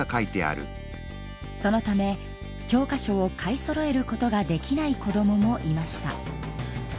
そのため教科書を買いそろえることができない子どももいました。